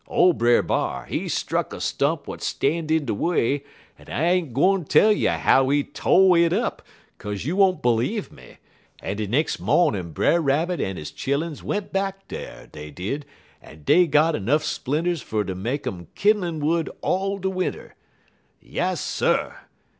Ole Brer B'ar, he struck a stump w'at stan' in de way, en I ain't gwine tell you how he to' it up 'kaze you won't b'leeve me, but de nex' mawnin' Brer Rabbit en his chilluns went back dar, dey did, en dey got nuff splinters fer ter make um kin'lin' wood all de winter. Yasser!